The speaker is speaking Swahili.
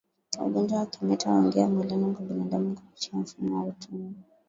Ugonjwa wa kimeta huingia mwilini kwa binadamu kupitia mfumo wa utumbo